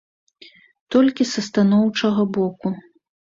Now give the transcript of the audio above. Толькі са станоўчага боку.